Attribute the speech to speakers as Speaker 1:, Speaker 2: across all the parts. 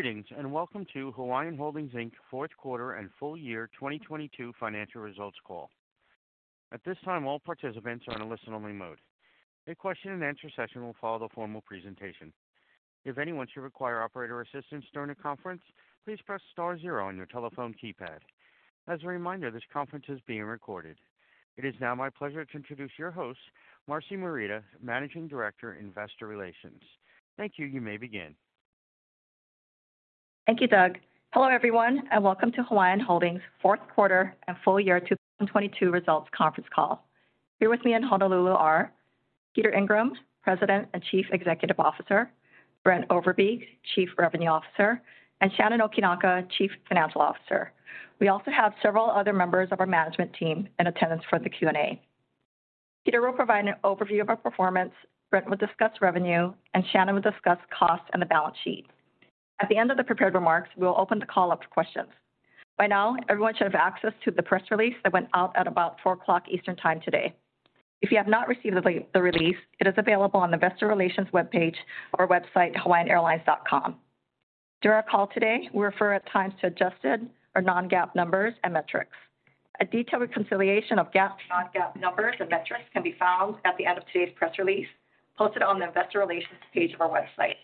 Speaker 1: Greetings, and welcome to Hawaiian Holdings, Inc. Q4 and full year 2022 financial results call. At this time, all participants are in a listen-only mode. A question-and-answer session will follow the formal presentation. If anyone should require operator assistance during the conference, please press star 0 on your telephone keypad. As a reminder, this conference is being recorded. It is now my pleasure to introduce your host, Marcy Morita, Managing Director, Investor Relations. Thank you. You may begin.
Speaker 2: Thank you, Doug. Hello, everyone, and welcome to Hawaiian Holdings Q4 and full year 2022 results conference call. Here with me in Honolulu are Peter Ingram, President and Chief Executive Officer, Brent Overbeek, Chief Revenue Officer, and Shannon Okinaka, Chief Financial Officer. We also have several other members of our management team in attendance for the Q&A. Peter will provide an overview of our performance, Brent will discuss revenue, and Shannon will discuss costs and the balance sheet. At the end of the prepared remarks, we will open the call up to questions. By now, everyone should have access to the press release that went out at about 4:00 Eastern Time today. If you have not received the release, it is available on the Investor Relations webpage or website, hawaiianairlines.com. During our call today, we refer at times to adjusted or non-GAAP numbers and metrics. A detailed reconciliation of GAAP to non-GAAP numbers and metrics can be found at the end of today's press release posted on the Investor Relations page of our website.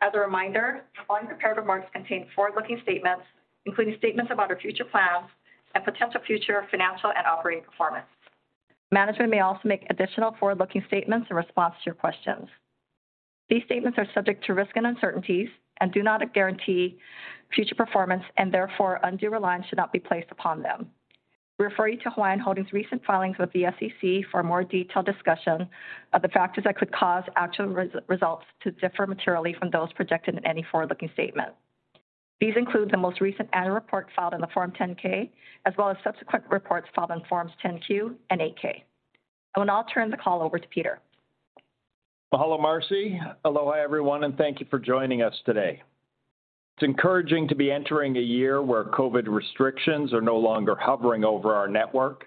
Speaker 2: As a reminder, the following prepared remarks contain forward-looking statements, including statements about our future plans and potential future financial and operating performance. Management may also make additional forward-looking statements in response to your questions. These statements are subject to risk and uncertainties and do not guarantee future performance and therefore undue reliance should not be placed upon them. We refer you to Hawaiian Holdings' recent filings with the SEC for a more detailed discussion of the factors that could cause actual results to differ materially from those projected in any forward-looking statement. These include the most recent annual report filed in the Form 10-K, as well as subsequent reports filed in forms Form 10-Q and Form 8-K. I will now turn the call over to Peter.
Speaker 3: Mahalo, Marcy. Aloha, everyone, thank you for joining us today. It's encouraging to be entering a year where COVID restrictions are no longer hovering over our network.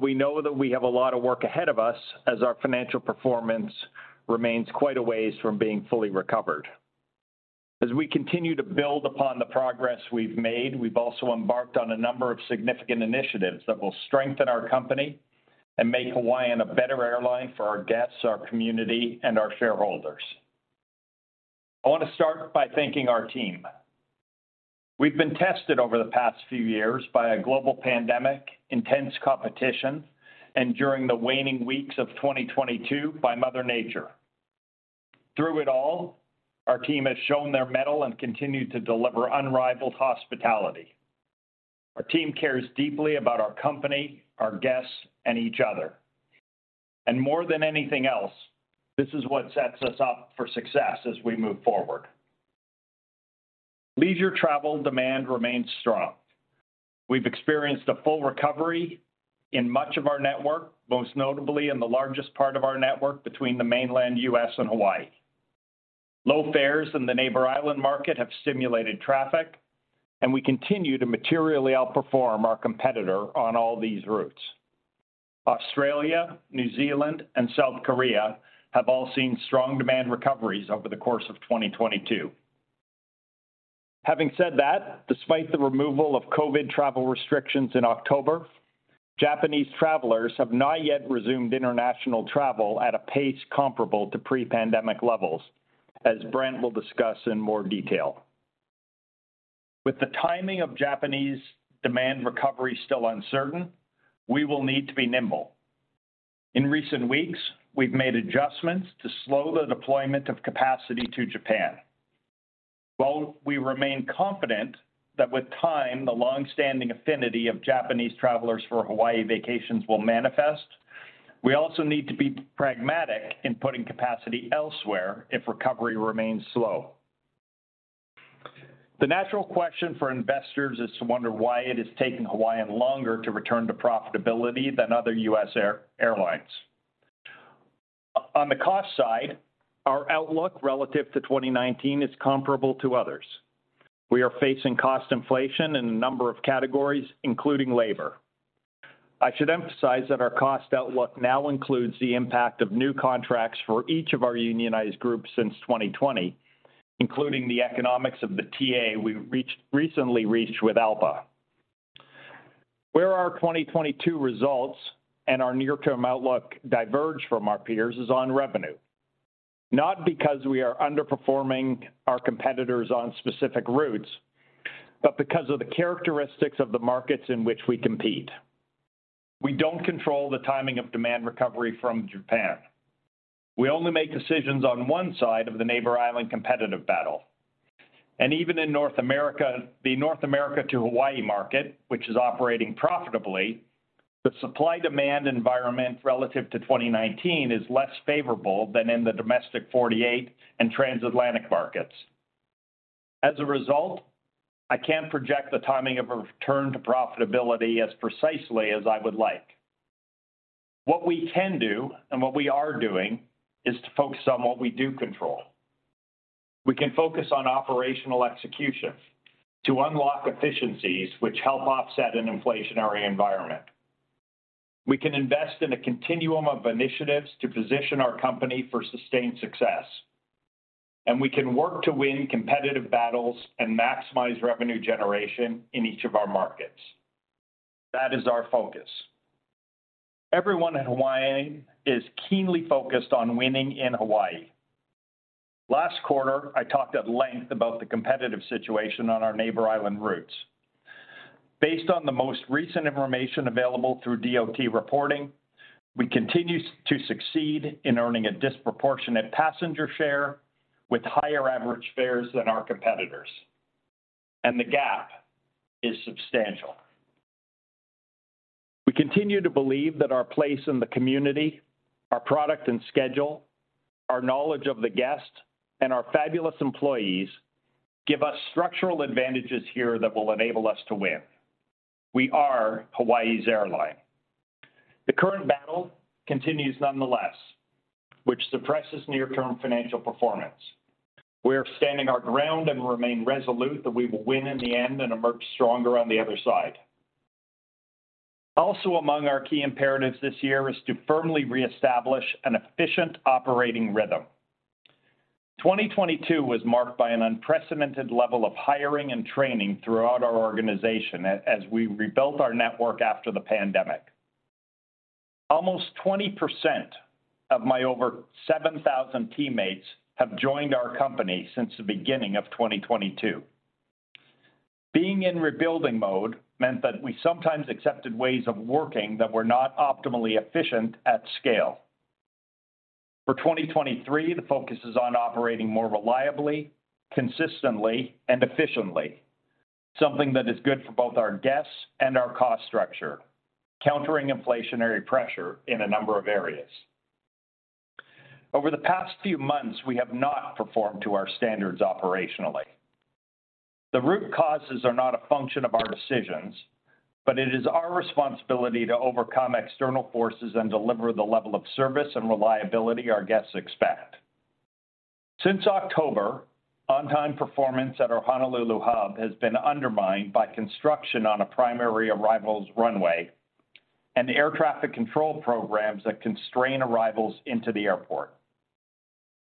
Speaker 3: We know that we have a lot of work ahead of us as our financial performance remains quite a ways from being fully recovered. As we continue to build upon the progress we've made, we've also embarked on a number of significant initiatives that will strengthen our company and make Hawaiian a better airline for our guests, our community, and our shareholders. I wanna start by thanking our team. We've been tested over the past few years by a global pandemic, intense competition, and during the waning weeks of 2022 by Mother Nature. Through it all, our team has shown their mettle and continued to deliver unrivaled hospitality. Our team cares deeply about our company, our guests, and each other. More than anything else, this is what sets us up for success as we move forward. Leisure travel demand remains strong. We've experienced a full recovery in much of our network, most notably in the largest part of our network between the mainland U.S. and Hawaii. Low fares in the Neighbor Island market have stimulated traffic, and we continue to materially outperform our competitor on all these routes. Australia, New Zealand, and South Korea have all seen strong demand recoveries over the course of 2022. Having said that, despite the removal of COVID travel restrictions in October, Japanese travelers have not yet resumed international travel at a pace comparable to pre-pandemic levels, as Brent will discuss in more detail. With the timing of Japanese demand recovery still uncertain, we will need to be nimble. In recent weeks, we've made adjustments to slow the deployment of capacity to Japan. While we remain confident that with time, the longstanding affinity of Japanese travelers for Hawaii vacations will manifest, we also need to be pragmatic in putting capacity elsewhere if recovery remains slow. The natural question for investors is to wonder why it is taking Hawaiian longer to return to profitability than other US airlines. On the cost side, our outlook relative to 2019 is comparable to others. We are facing cost inflation in a number of categories, including labor. I should emphasize that our cost outlook now includes the impact of new contracts for each of our unionized groups since 2020, including the economics of the TA we recently reached with ALPA. Where our 2022 results and our near-term outlook diverge from our peers is on revenue. Not because we are underperforming our competitors on specific routes, but because of the characteristics of the markets in which we compete. We don't control the timing of demand recovery from Japan. We only make decisions on one side of the Neighbor Island competitive battle. Even in North America, the North America to Hawaii market, which is operating profitably, the supply-demand environment relative to 2019 is less favorable than in the domestic 48 and transatlantic markets. As a result, I can't project the timing of a return to profitability as precisely as I would like. What we can do, and what we are doing, is to focus on what we do control. We can focus on operational execution to unlock efficiencies which help offset an inflationary environment. We can invest in a continuum of initiatives to position our company for sustained success. We can work to win competitive battles and maximize revenue generation in each of our markets. That is our focus. Everyone at Hawaiian is keenly focused on winning in Hawaii. Last quarter, I talked at length about the competitive situation on our Neighbor Island routes. Based on the most recent information available through DOT reporting, we continue to succeed in earning a disproportionate passenger share with higher average fares than our competitors, and the gap is substantial. We continue to believe that our place in the community, our product and schedule, our knowledge of the guest, and our fabulous employees give us structural advantages here that will enable us to win. We are Hawaii's airline. The current battle continues nonetheless, which suppresses near-term financial performance. We're standing our ground and remain resolute that we will win in the end and emerge stronger on the other side. Also among our key imperatives this year is to firmly reestablish an efficient operating rhythm. 2022 was marked by an unprecedented level of hiring and training throughout our organization as we rebuilt our network after the pandemic. Almost 20% of my over 7,000 teammates have joined our company since the beginning of 2022. Being in rebuilding mode meant that we sometimes accepted ways of working that were not optimally efficient at scale. For 2023, the focus is on operating more reliably, consistently, and efficiently, something that is good for both our guests and our cost structure, countering inflationary pressure in a number of areas. Over the past few months, we have not performed to our standards operationally. The root causes are not a function of our decisions, but it is our responsibility to overcome external forces and deliver the level of service and reliability our guests expect. Since October, on-time performance at our Honolulu hub has been undermined by construction on a primary arrivals runway and the air traffic control programs that constrain arrivals into the airport.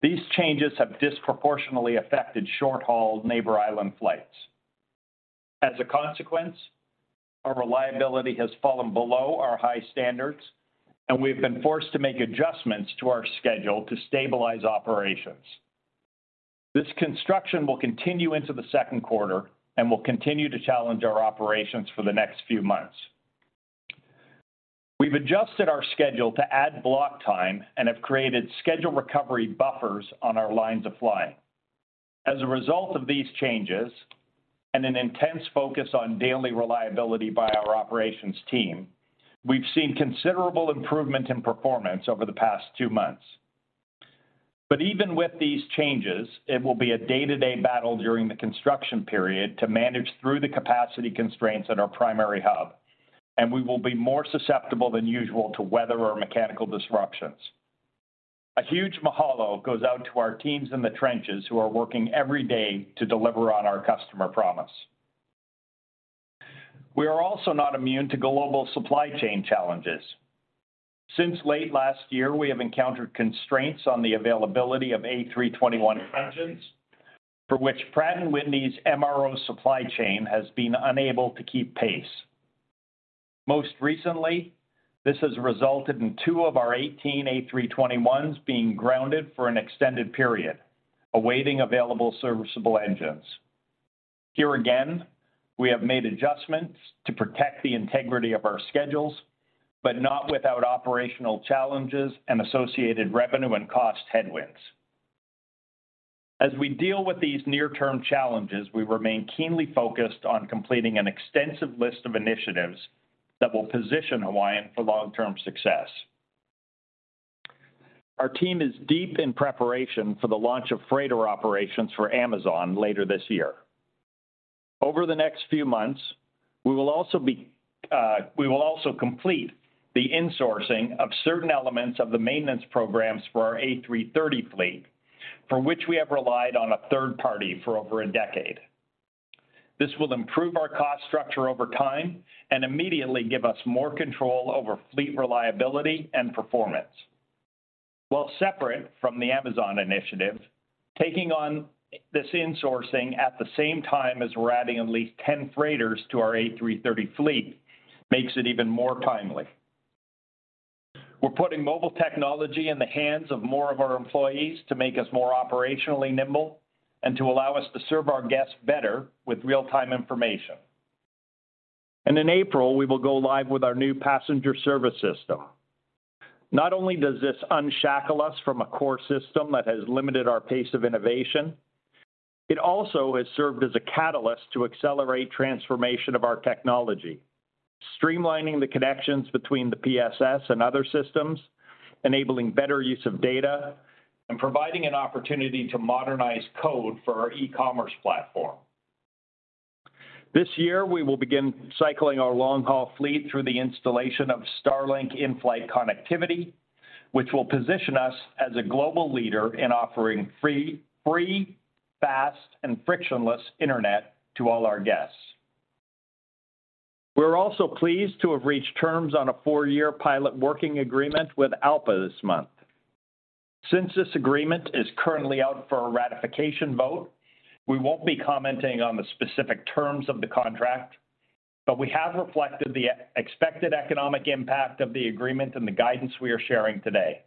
Speaker 3: These changes have disproportionately affected short-haul Neighbor Island flights. As a consequence, our reliability has fallen below our high standards, and we've been forced to make adjustments to our schedule to stabilize operations. This construction will continue into Q2 and will continue to challenge our operations for the next few months. We've adjusted our schedule to add block time and have created schedule recovery buffers on our lines of flying. As a result of these changes and an intense focus on daily reliability by our operations team, we've seen considerable improvement in performance over the past two months. Even with these changes, it will be a day-to-day battle during the construction period to manage through the capacity constraints at our primary hub, and we will be more susceptible than usual to weather or mechanical disruptions. A huge mahalo goes out to our teams in the trenches who are working every day to deliver on our customer promise. We are also not immune to global supply chain challenges. Since late last year, we have encountered constraints on the availability of A321 engines, for which Pratt & Whitney's MRO supply chain has been unable to keep pace. Most recently, this has resulted in two of our 18 A321s being grounded for an extended period, awaiting available serviceable engines. Here again, we have made adjustments to protect the integrity of our schedules, but not without operational challenges and associated revenue and cost headwinds. As we deal with these near-term challenges, we remain keenly focused on completing an extensive list of initiatives that will position Hawaiian for long-term success. Our team is deep in preparation for the launch of freighter operations for Amazon later this year. Over the next few months, we will also complete the insourcing of certain elements of the maintenance programs for our A330 fleet, for which we have relied on a third party for over a decade. This will improve our cost structure over time and immediately give us more control over fleet reliability and performance. While separate from the Amazon initiative, taking on this insourcing at the same time as we're adding at least 10 freighters to our A330 fleet makes it even more timely. We're putting mobile technology in the hands of more of our employees to make us more operationally nimble and to allow us to serve our guests better with real-time information. In April, we will go live with our new passenger service system. Not only does this unshackle us from a core system that has limited our pace of innovation, it also has served as a catalyst to accelerate transformation of our technology, streamlining the connections between the PSS and other systems, enabling better use of data, and providing an opportunity to modernize code for our e-commerce platform. This year, we will begin cycling our long-haul fleet through the installation of Starlink in-flight connectivity, which will position us as a global leader in offering free, fast, and frictionless internet to all our guests. We're also pleased to have reached terms on a four-year pilot working agreement with ALPA this month. Since this agreement is currently out for a ratification vote, we won't be commenting on the specific terms of the contract, but we have reflected the expected economic impact of the agreement in the guidance we are sharing today.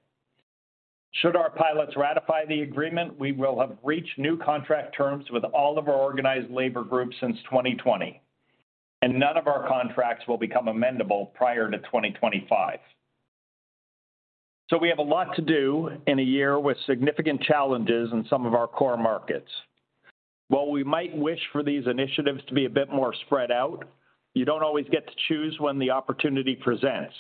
Speaker 3: Should our pilots ratify the agreement, we will have reached new contract terms with all of our organized labor groups since 2020. None of our contracts will become amendable prior to 2025. We have a lot to do in a year with significant challenges in some of our core markets. While we might wish for these initiatives to be a bit more spread out, you don't always get to choose when the opportunity presents,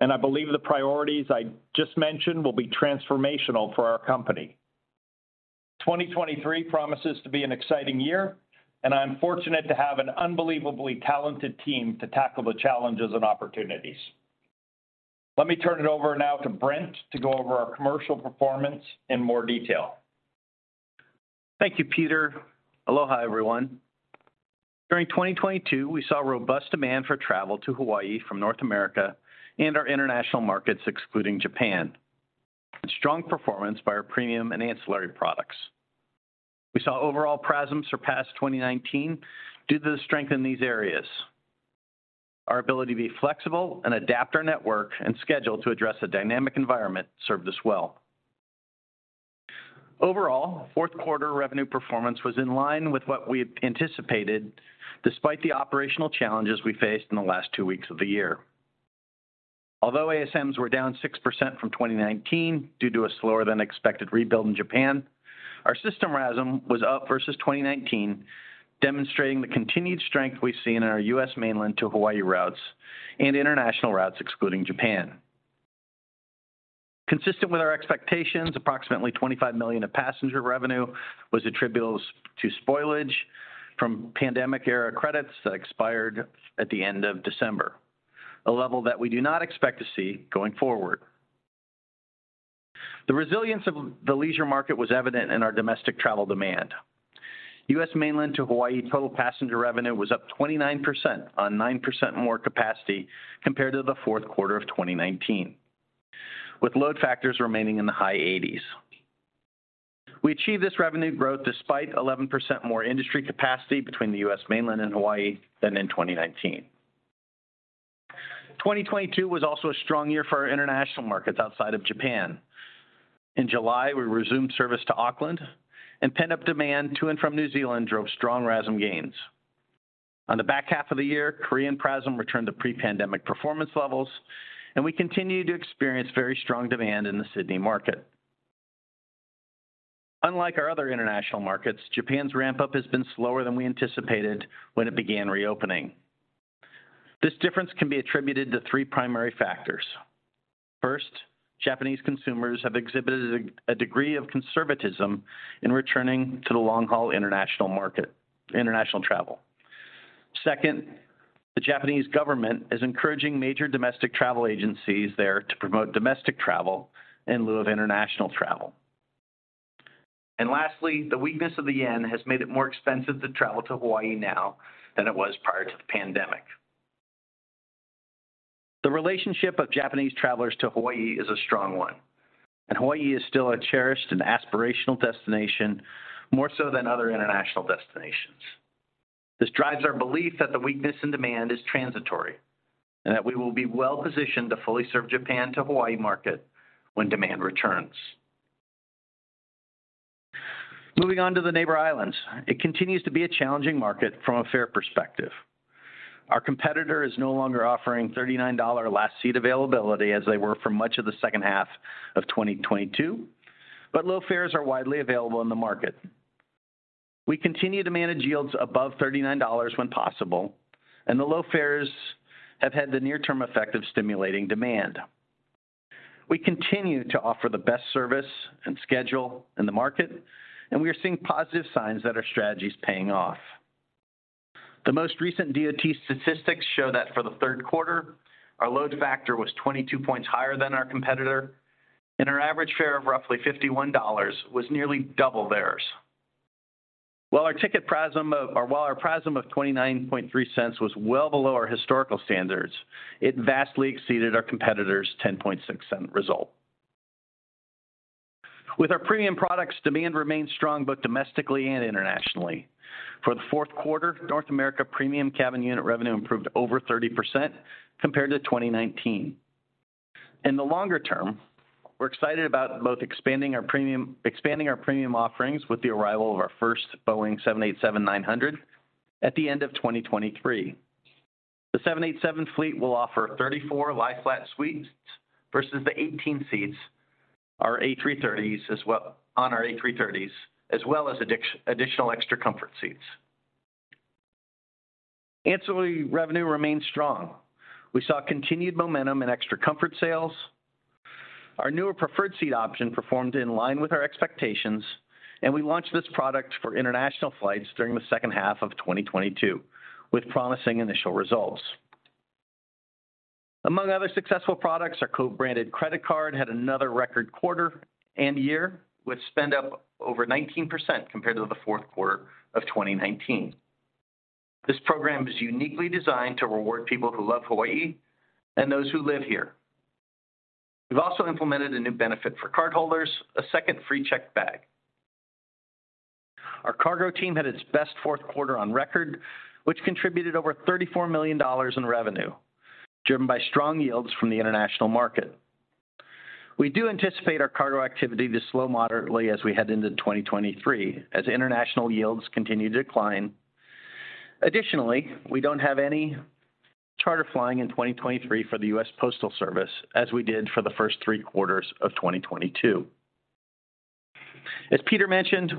Speaker 3: and I believe the priorities I just mentioned will be transformational for our company. 2023 promises to be an exciting year, and I'm fortunate to have an unbelievably talented team to tackle the challenges and opportunities. Let me turn it over now to Brent to go over our commercial performance in more detail.
Speaker 4: Thank you, Peter. Aloha, everyone. During 2022, we saw robust demand for travel to Hawaii from North America and our international markets, excluding Japan, and strong performance by our premium and ancillary products. We saw overall PRASM surpass 2019 due to the strength in these areas. Our ability to be flexible and adapt our network and schedule to address a dynamic environment served us well. Overall, Q4 revenue performance was in line with what we had anticipated despite the operational challenges we faced in the last two weeks of the year. Although ASMs were down 6% from 2019 due to a slower-than-expected rebuild in Japan, our system RASM was up versus 2019, demonstrating the continued strength we've seen in our U.S. mainland to Hawaii routes and international routes, excluding Japan. Consistent with our expectations, approximately $25 million of passenger revenue was attributable to spoilage from pandemic-era credits that expired at the end of December, a level that we do not expect to see going forward. The resilience of the leisure market was evident in our domestic travel demand. U.S. mainland to Hawaii total passenger revenue was up 29% on 9% more capacity compared to Q4 of 2019, with load factors remaining in the high eighties. We achieved this revenue growth despite 11% more industry capacity between the U.S. mainland and Hawaii than in 2019. 2022 was also a strong year for our international markets outside of Japan. In July, we resumed service to Auckland. Pent-up demand to and from New Zealand drove strong RASM gains. On the back half of the year, Korean PRASM returned to pre-pandemic performance levels, and we continued to experience very strong demand in the Sydney market. Unlike our other international markets, Japan's ramp-up has been slower than we anticipated when it began reopening. This difference can be attributed to three primary factors. First, Japanese consumers have exhibited a degree of conservatism in returning to long-haul international travel. Second, the Japanese government is encouraging major domestic travel agencies there to promote domestic travel in lieu of international travel. Lastly, the weakness of the yen has made it more expensive to travel to Hawaii now than it was prior to the pandemic. The relationship of Japanese travelers to Hawaii is a strong one, and Hawaii is still a cherished and aspirational destination, more so than other international destinations. This drives our belief that the weakness in demand is transitory and that we will be well-positioned to fully serve Japan to Hawaii market when demand returns. Moving on to the Neighbor Islands, it continues to be a challenging market from a fare perspective. Our competitor is no longer offering $39 last seat availability as they were for much of the second half of 2022, but low fares are widely available in the market. We continue to manage yields above $39 when possible, and the low fares have had the near-term effect of stimulating demand. We continue to offer the best service and schedule in the market, and we are seeing positive signs that our strategy is paying off. The most recent DOT statistics show that for Q3, our load factor was 22 points higher than our competitor, and our average fare of roughly $51 was nearly double theirs. While our ticket PRASM or while our PRASM of $0.293 was well below our historical standards, it vastly exceeded our competitor's $0.106 result. With our premium products, demand remains strong both domestically and internationally. For Q4, North America premium cabin unit revenue improved over 30% compared to 2019. In the longer term, we're excited about both expanding our premium offerings with the arrival of our first Boeing 787-9 at the end of 2023. The 787 fleet will offer 34 lie-flat suites versus the 18 seats on our A330s, as well as additional Extra Comfort seats. Ancillary revenue remains strong. We saw continued momentum in Extra Comfort sales. Our newer Preferred Seat option performed in line with our expectations. We launched this product for international flights during the second half of 2022, with promising initial results. Among other successful products, our co-branded credit card had another record quarter and year, with spend up over 19% compared to Q4 of 2019. This program is uniquely designed to reward people who love Hawaii and those who live here. We've also implemented a new benefit for cardholders, a second free checked bag. Our cargo team had its best Q4 on record, which contributed over $34 million in revenue, driven by strong yields from the international market. We do anticipate our cargo activity to slow moderately as we head into 2023 as international yields continue to decline. Additionally, we don't have any charter flying in 2023 for the US Postal Service as we did for the first three quarters of 2022. As Peter mentioned,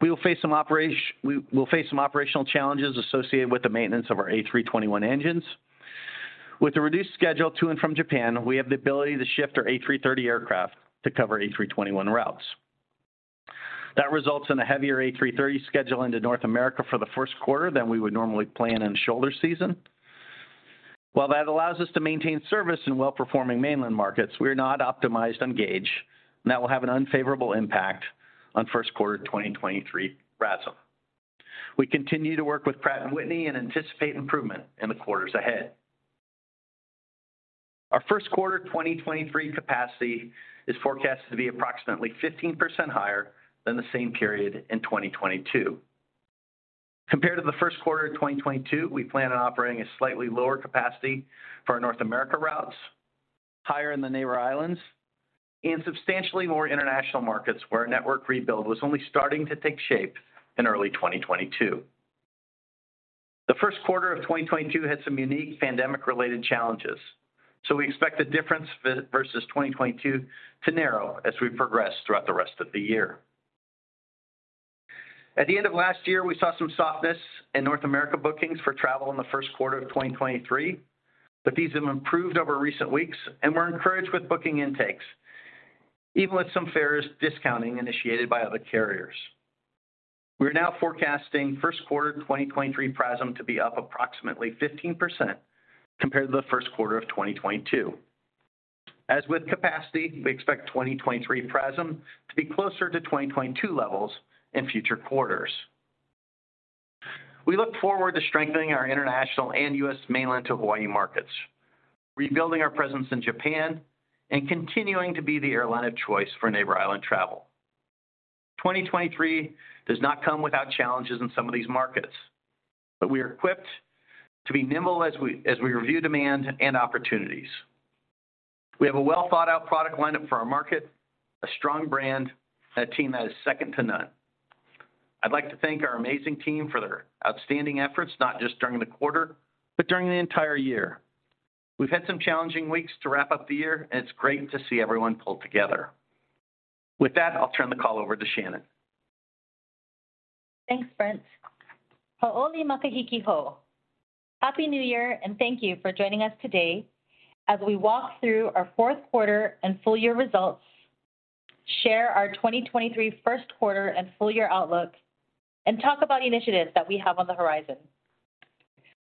Speaker 4: we will face some operational challenges associated with the maintenance of our A321 engines. With the reduced schedule to and from Japan, we have the ability to shift our A330 aircraft to cover A321 routes. That results in a heavier A330 schedule into North America for Q1 than we would normally plan in shoulder season. That allows us to maintain service in well-performing mainland markets, we are not optimized on gauge, and that will have an unfavorable impact on first quarter 2023 PRASM. We continue to work with Pratt & Whitney and anticipate improvement in the quarters ahead. Our Q1 2023 capacity is forecasted to be approximately 15% higher than the same period in 2022. Compared to Q1 of 2022, we plan on operating a slightly lower capacity for our North America routes, higher in the Neighbor Islands, and substantially more international markets where our network rebuild was only starting to take shape in early 2022. The Q1 of 2022 had some unique pandemic-related challenges. We expect the difference versus 2022 to narrow as we progress throughout the rest of the year. At the end of last year, we saw some softness in North America bookings for travel in the 1st quarter of 2023, but these have improved over recent weeks, and we're encouraged with booking intakes, even with some fares discounting initiated by other carriers. We're now forecasting Q1 2023 PRASM to be up approximately 15% compared to Q1 of 2022. As with capacity, we expect 2023 PRASM to be closer to 2022 levels in future quarters. We look forward to strengthening our international and U.S. mainland to Hawaii markets, rebuilding our presence in Japan, and continuing to be the airline of choice for Neighbor Island travel. 2023 does not come without challenges in some of these markets, but we are equipped to be nimble as we review demand and opportunities. We have a well-thought-out product lineup for our market, a strong brand, and a team that is second to none. I'd like to thank our amazing team for their outstanding efforts, not just during the quarter, but during the entire year. We've had some challenging weeks to wrap up the year, and it's great to see everyone pull together. With that, I'll turn the call over to Shannon.
Speaker 5: Thanks, Brent. Happy New Year, and thank you for joining us today as we walk through our Q4 and full year results, share our 2023 first quarter and full year outlook, and talk about initiatives that we have on the horizon.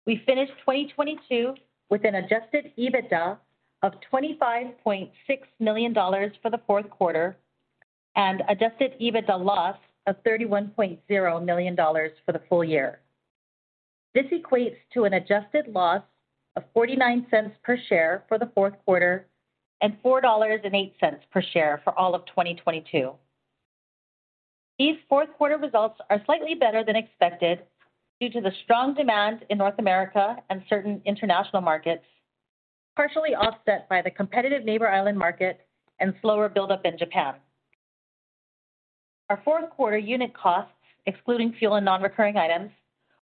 Speaker 5: We finished 2022 with an adjusted EBITDA of $25.6 million for Q4 and adjusted EBITDA loss of $31.0 million for the full year. This equates to an adjusted loss of $0.49 per share for Q4 and $4.08 per share for all of 2022. These Q4 results are slightly better than expected due to the strong demand in North America and certain international markets, partially offset by the competitive Neighbor Island market and slower build-up in Japan. Our Q4 unit costs, excluding fuel and non-recurring items,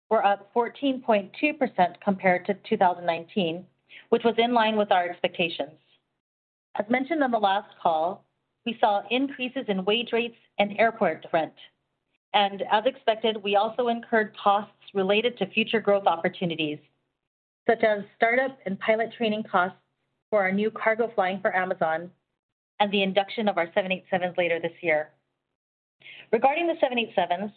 Speaker 5: were up 14.2% compared to 2019, which was in line with our expectations. As mentioned on the last call, we saw increases in wage rates and airport rent. As expected, we also incurred costs related to future growth opportunities, such as startup and pilot training costs for our new cargo flying for Amazon and the induction of our 787s later this year. Regarding the 787s,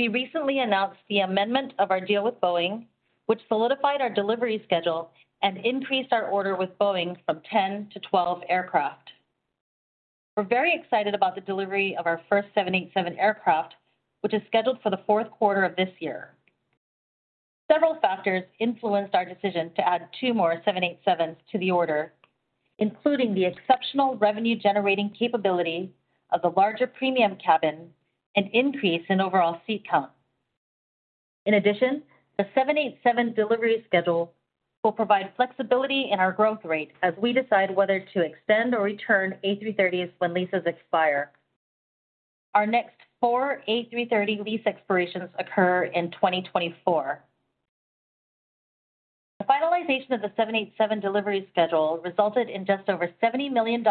Speaker 5: we recently announced the amendment of our deal with Boeing, which solidified our delivery schedule and increased our order with Boeing from 10 to 12 aircraft. We're very excited about the delivery of our first 787 aircraft, which is scheduled for Q4 of this year. Several factors influenced our decision to add two more 787s to the order, including the exceptional revenue-generating capability of the larger premium cabin and increase in overall seat count. In addition, the 787 delivery schedule will provide flexibility in our growth rate as we decide whether to extend or return A330s when leases expire. Our next four A330 lease expirations occur in 2024. The finalization of the 787 delivery schedule resulted in just over $70 million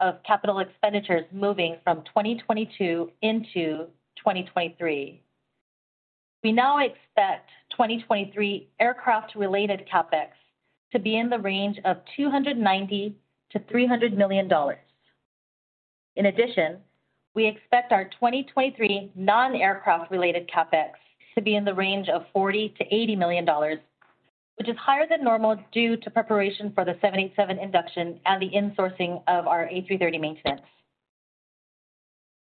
Speaker 5: of CapEx moving from 2022 into 2023. We now expect 2023 aircraft-related CapEx to be in the range of $290 million-$300 million. In addition, we expect our 2023 non-aircraft related CapEx to be in the range of $40 million-$80 million, which is higher than normal due to preparation for the 787 induction and the insourcing of our A330 maintenance.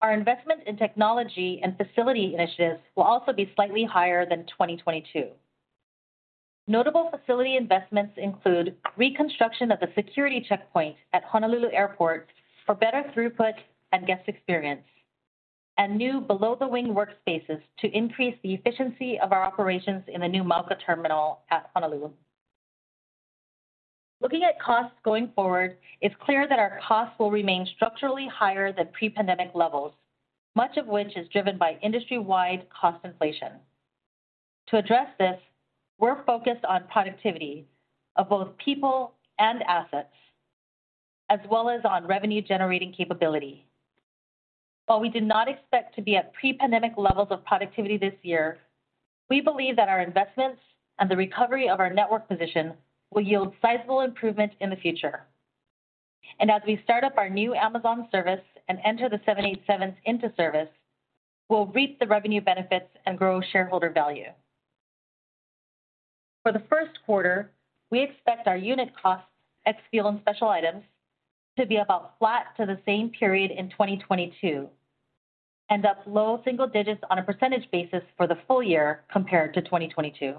Speaker 5: Our investment in technology and facility initiatives will also be slightly higher than 2022. Notable facility investments include reconstruction of the security checkpoint at Honolulu Airport for better throughput and guest experience, and new below-the-wing workspaces to increase the efficiency of our operations in the new Mauka terminal at Honolulu. Looking at costs going forward, it's clear that our costs will remain structurally higher than pre-pandemic levels, much of which is driven by industry-wide cost inflation. To address this, we're focused on productivity of both people and assets, as well as on revenue-generating capability. While we do not expect to be at pre-pandemic levels of productivity this year, we believe that our investments and the recovery of our network position will yield sizable improvement in the future. As we start up our new Amazon service and enter the 787s into service, we'll reap the revenue benefits and grow shareholder value. For Q1, we expect our unit costs, ex fuel and special items, to be about flat to the same period in 2022, and up low single digits on a percentage basis for the full year compared to 2022.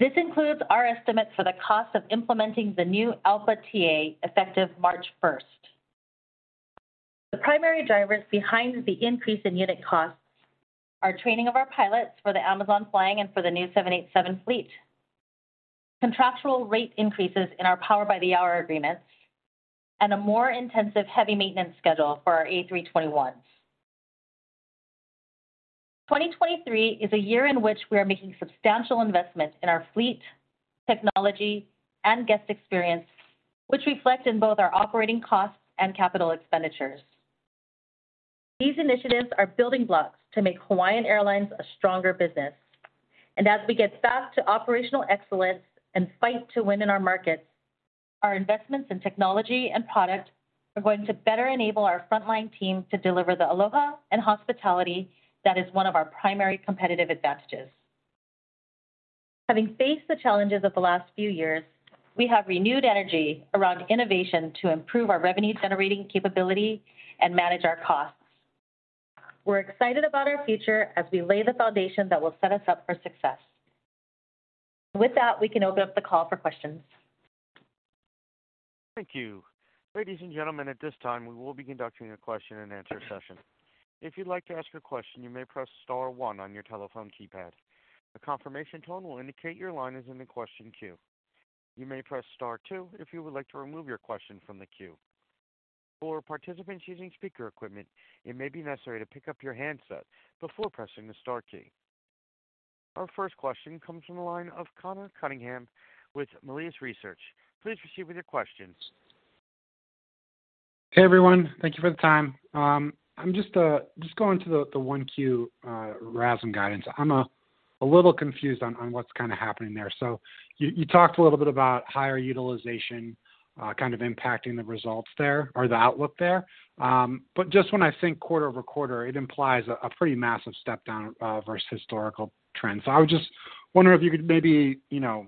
Speaker 5: This includes our estimates for the cost of implementing the new ALPA TA effective March 1. The primary drivers behind the increase in unit costs are training of our pilots for the Amazon flying and for the new 787 fleet, contractual rate increases in our Power-by-the-Hour agreements, and a more intensive heavy maintenance schedule for our A321s. 2023 is a year in which we are making substantial investments in our fleet, technology, and guest experience, which reflect in both our operating costs and capital expenditures. These initiatives are building blocks to make Hawaiian Airlines a stronger business. As we get back to operational excellence and fight to win in our markets, our investments in technology and product are going to better enable our frontline team to deliver the aloha and hospitality that is one of our primary competitive advantages. Having faced the challenges of the last few years, we have renewed energy around innovation to improve our revenue-generating capability and manage our costs. We're excited about our future as we lay the foundation that will set us up for success. With that, we can open up the call for questions.
Speaker 1: Thank you. Ladies and gentlemen, at this time, we will be conducting a question-and-answer session. If you'd like to ask a question, you may press star one on your telephone keypad. A confirmation tone will indicate your line is in the question queue. You may press star two if you would like to remove your question from the queue. For participants using speaker equipment, it may be necessary to pick up your handset before pressing the star key. Our first question comes from the line of Conor Cunningham with Melius Research. Please proceed with your questions.
Speaker 6: Hey, everyone. Thank you for the time. I'm just going to the 1Q RASM guidance. I'm a little confused on what's kind of happening there. You talked a little bit about higher utilization, kind of impacting the results there or the outlook there. Just when I think quarter-over-quarter, it implies a pretty massive step-down versus historical trends. I was just wondering if you could maybe, you know,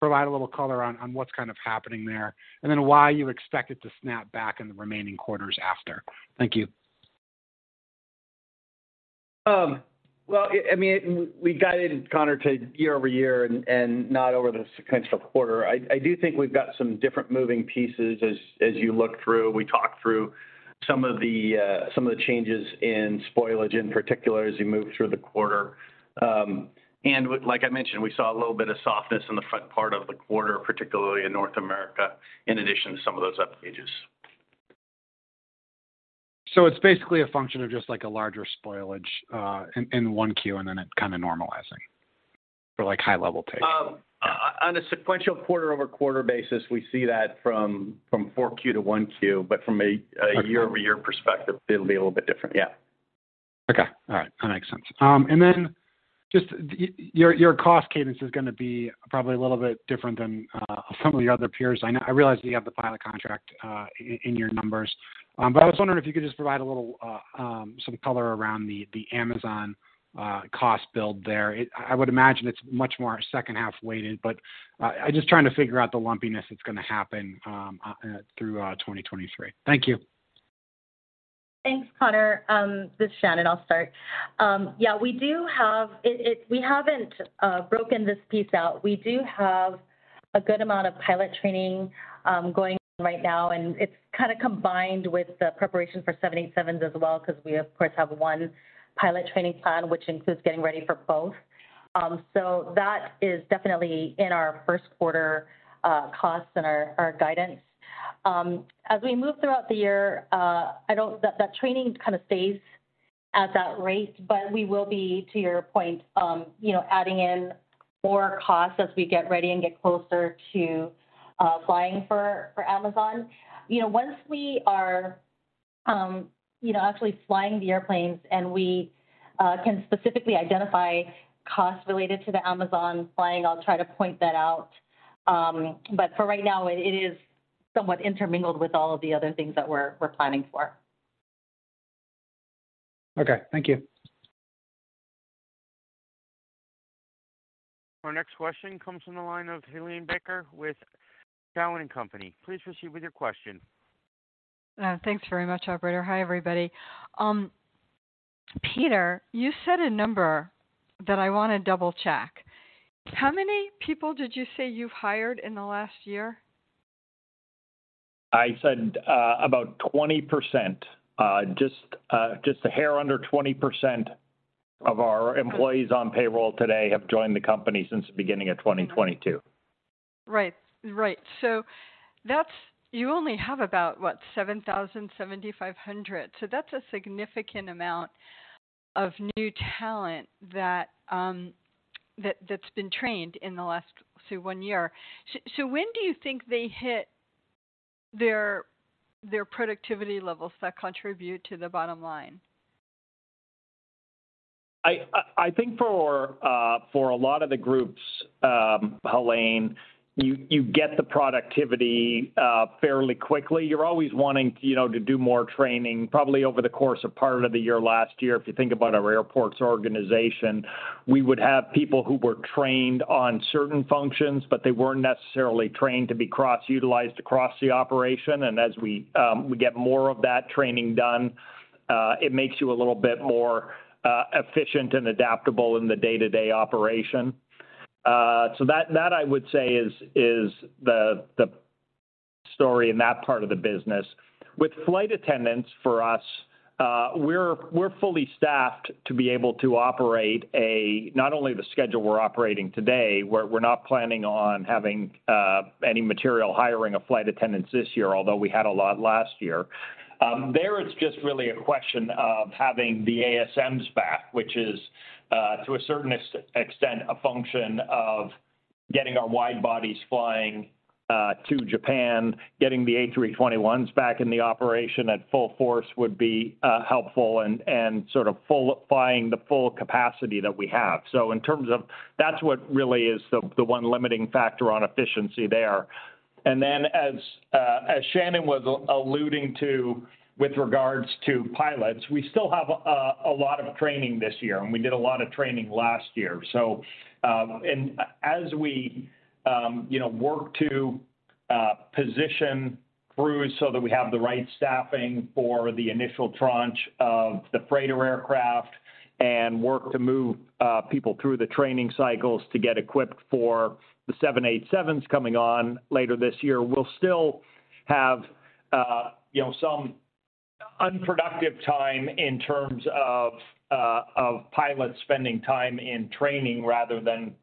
Speaker 6: provide a little color on what's kind of happening there, why you expect it to snap back in the remaining quarters after. Thank you.
Speaker 4: Well, I mean, we guided Conor to year-over-year and not over the sequential quarter. I do think we've got some different moving pieces as you look through. We talked through some of the changes in spoilage in particular as you move through the quarter. Like I mentioned, we saw a little bit of softness in the front part of the quarter, particularly in North America, in addition to some of those outages.
Speaker 6: It's basically a function of just like a larger spoilage, in 1Q and then it kind of normalizing for like high-level take.
Speaker 4: On a sequential quarter-over-quarter basis, we see that from 4Q to 1Q, but from a year-over-year perspective, it'll be a little bit different. Yeah.
Speaker 6: Okay. All right. That makes sense. Just your cost cadence is gonna be probably a little bit different than some of your other peers. I realize that you have the pilot contract in your numbers. I was wondering if you could just provide a little some color around the Amazon cost build there. I would imagine it's much more second half weighted, but I'm just trying to figure out the lumpiness that's gonna happen through 2023. Thank you.
Speaker 5: Thanks, Conor. This is Shannon, I'll start. Yeah, we haven't broken this piece out. We do have a good amount of pilot training going right now, and it's kinda combined with the preparation for 787s as well because we of course have one pilot training plan, which includes getting ready for both. That is definitely in our Q1 costs and our guidance. As we move throughout the year, that training kind of stays at that rate, we will be, to your point, you know, adding in more costs as we get ready and get closer to flying for Amazon. You know, once we are. you know, actually flying the airplanes, and we can specifically identify costs related to the Amazon flying. I'll try to point that out. For right now, it is somewhat intermingled with all of the other things that we're planning for.
Speaker 6: Okay, thank you.
Speaker 1: Our next question comes from the line of Helane Becker with Cowen and Company. Please proceed with your question.
Speaker 7: Thanks very much, operator. Hi, everybody. Peter, you said a number that I wanna double-check. How many people did you say you've hired in the last year?
Speaker 3: I said, about 20%. Just a hair under 20% of our employees on payroll today have joined the company since the beginning of 2022.
Speaker 7: Right. Right. You only have about 7,000 7,500. That's a significant amount of new talent that's been trained in the last, say, one year. When do you think they hit their productivity levels that contribute to the bottom line?
Speaker 3: I think for for a lot of the groups, Helane, you get the productivity fairly quickly. You're always wanting, you know, to do more training. Probably over the course of part of the year last year, if you think about our airports organization, we would have people who were trained on certain functions, but they weren't necessarily trained to be cross-utilized across the operation. As we get more of that training done, it makes you a little bit more efficient and adaptable in the day-to-day operation. That I would say is the story in that part of the business. With flight attendants for us, we're fully staffed to be able to operate not only the schedule we're operating today, we're not planning on having any material hiring of flight attendants this year, although we had a lot last year. There it's just really a question of having the ASMs back, which is to a certain extent, a function of getting our wide-bodies flying to Japan. Getting the A321s back in the operation at full force would be helpful and sort of flying the full capacity that we have. In terms of that's what really is the one limiting factor on efficiency there. As Shannon was alluding to with regards to pilots, we still have a lot of training this year, and we did a lot of training last year. As we, you know, work to position crews so that we have the right staffing for the initial tranche of the freighter aircraft and work to move people through the training cycles to get equipped for the 787s coming on later this year, we'll still have, you know, some unproductive time in terms of pilots spending time in training rather than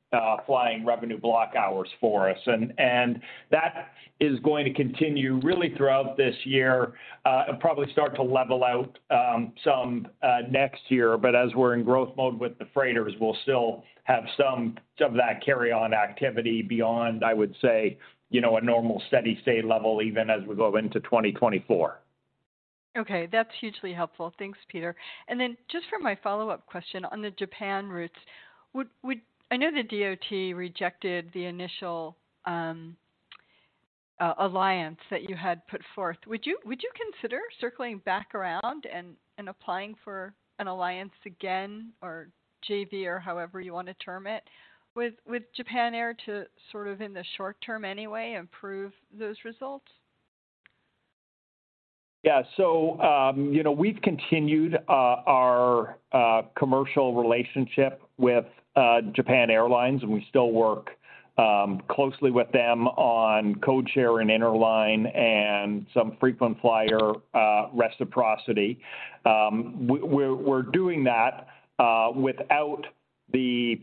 Speaker 3: flying revenue block hours for us. That is going to continue really throughout this year and probably start to level out some next year. As we're in growth mode with the freighters, we'll still have some of that carry-on activity beyond, I would say, you know, a normal steady state level even as we go into 2024.
Speaker 7: That's hugely helpful. Thanks, Peter. Just for my follow-up question on the Japan routes, I know the DOT rejected the initial alliance that you had put forth. Would you consider circling back around and applying for an alliance again or JV or however you want to term it, with Japan Air to sort of, in the short term anyway, improve those results?
Speaker 3: You know, we've continued our commercial relationship with Japan Airlines. We still work closely with them on code share and interline and some frequent flyer reciprocity. We're doing that without the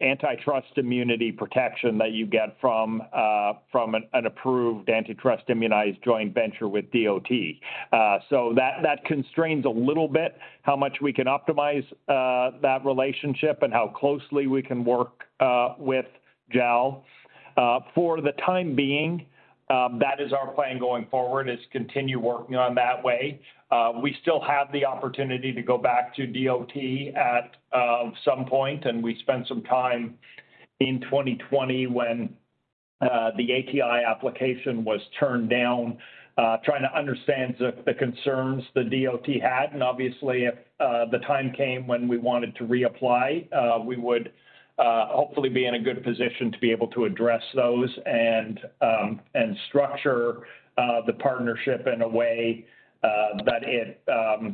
Speaker 3: antitrust immunity protection that you get from an approved antitrust immunized joint venture with DOT. That constrains a little bit how much we can optimize that relationship and how closely we can work with JAL. For the time being, that is our plan going forward, is continue working on that way. We still have the opportunity to go back to DOT at some point, and we spent some time in 2020 when the ATI application was turned down, trying to understand the concerns the DOT had. Obviously, if the time came when we wanted to reapply, we would hopefully be in a good position to be able to address those and structure the partnership in a way that it,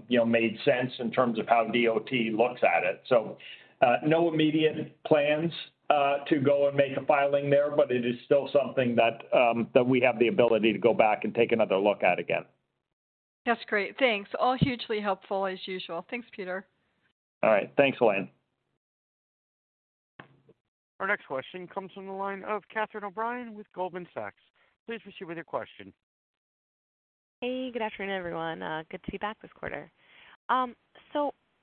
Speaker 3: you know, made sense in terms of how DOT looks at it. No immediate plans to go and make a filing there, but it is still something that we have the ability to go back and take another look at again.
Speaker 7: That's great. Thanks. All hugely helpful as usual. Thanks, Peter.
Speaker 3: All right. Thanks, Helane.
Speaker 1: Our next question comes from the line of Catherine O'Brien with Goldman Sachs. Please proceed with your question.
Speaker 8: Hey, good afternoon, everyone. Good to be back this quarter.